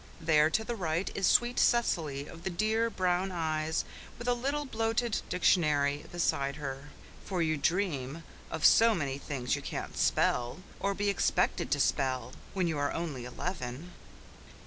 There, to the right, is sweet Cecily of the dear, brown eyes, with a little bloated dictionary beside her for you dream of so many things you can't spell, or be expected to spell, when you are only eleven.